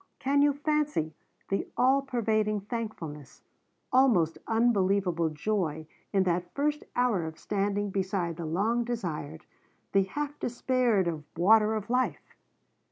Can you fancy the all pervading thankfulness, almost unbelievable joy, in that first hour of standing beside the long desired, the half despaired of water of life?